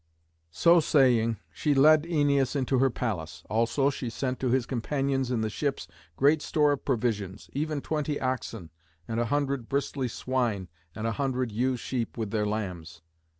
So saying she led Æneas into her palace; also she sent to his companions in the ships great store of provisions, even twenty oxen and a hundred bristly swine and a hundred ewe sheep with their lambs.